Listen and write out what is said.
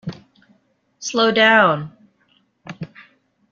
Slow down!